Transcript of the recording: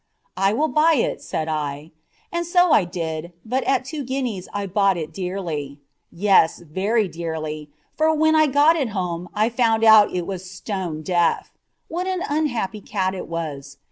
"I will buy it," said I. And so I did; but at two guineas I bought it dearly. Yes! very dearly, for when I got it home I found it was "stone" deaf. What an unhappy cat it was!